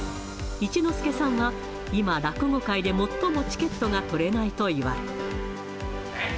一之輔さんは今、落語界で最もチケットが取れないと言われ。